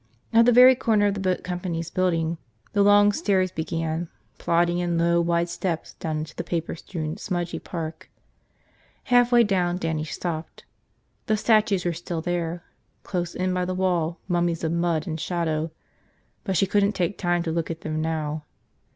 At the very corner of the boat company's building the long stairs began, plodding in low, wide steps down into the paper strewn, smudgy park. Halfway down Dannie stopped. The statues were still there, close in by the wall, mummies of mud and shadow; but she couldn't take time to look at them now.